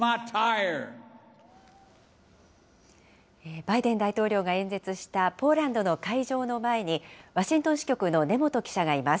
バイデン大統領が演説したポーランドの会場の前に、ワシントン支局の根本記者がいます。